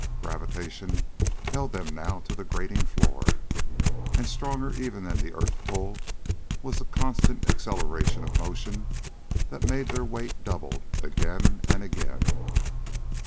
Gravitation held them now to the grating floor. And, stronger even than the earth pull, was the constant acceleration of motion that made their weight doubled again and again.